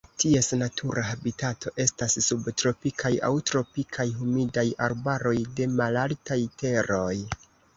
Ties natura habitato estas subtropikaj aŭ tropikaj humidaj arbaroj de malaltaj teroj.